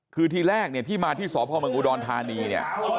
คือทีแรกเนี่ยที่มาที่สพเมืองอุดรธานีเนี่ย